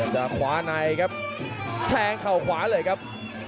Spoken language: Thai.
ซ้ายครับเทงเข่าขวาเลยครับ